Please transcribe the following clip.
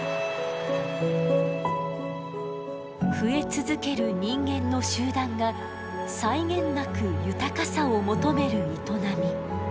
増え続ける人間の集団が際限なく豊かさを求める営み。